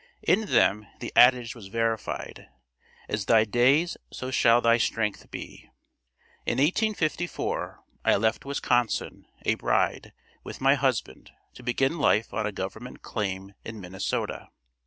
In them, the adage was verified, "As thy days so shall thy strength be." In 1854 I left Wisconsin, a bride, with my husband, to begin life on a government claim in Minnesota.